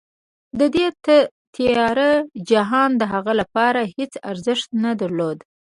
دې تیاره جهان د هغه لپاره هېڅ ارزښت نه درلود